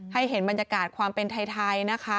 ให้เห็นบรรยากาศความเป็นไทยนะคะ